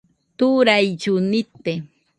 Turaillu nite